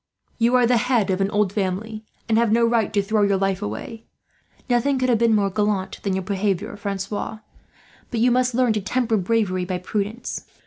You are the head of an old family, and have no right to throw your life away. Nothing could have been more gallant than your behaviour, Francois; but you must learn to temper bravery by prudence.